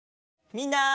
みんな。